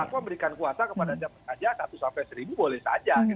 kenapa memberikan kuasa kepada siapa saja satu sampai seribu boleh saja